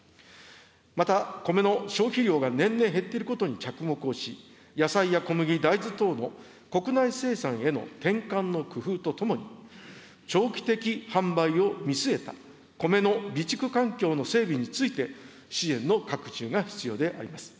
また、米の消費量が年々減っていることに着目をし、野菜や小麦、大豆等の国内生産への転換の工夫とともに、長期的販売を見据えた米の備蓄環境の整備について、支援の拡充が必要であります。